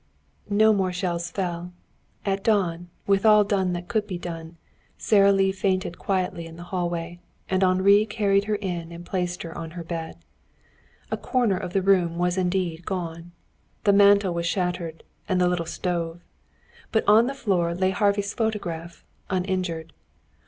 No more shells fell. At dawn, with all done that could be done, Sara Lee fainted quietly in the hallway. Henri carried her in and placed her on her bed. A corner of the room was indeed gone. The mantel was shattered and the little stove. But on the floor lay Harvey's photograph uninjured.